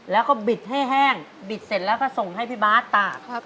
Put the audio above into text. แล้วก็บิดให้แห้งบิดเสร็จแล้วก็ส่งให้พี่บาทตาก